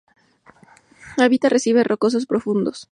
Habita arrecifes rocosos profundos.